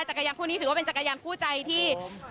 จักรยานคู่นี้ถือว่าเป็นจักรยานคู่ใจที่